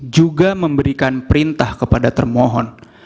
juga memberikan perintah kepada termohon